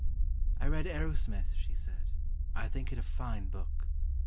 "I read 'Arrowsmith,'" she said. "I think it a fine book.